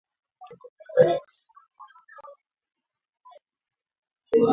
Mkutano wetu huko Marondera ulipigwa marufuku.